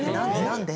何で？